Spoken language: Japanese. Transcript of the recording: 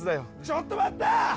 ちょっと待った！